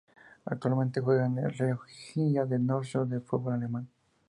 Actualmente juegan en la Regionalliga Nordost del fútbol alemán.